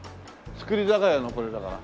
造り酒屋のこれだから。